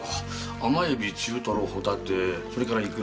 甘エビ中トロホタテそれからイクラ。